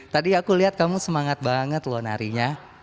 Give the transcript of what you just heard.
tadi aku lihat kamu semangat banget loh nari nya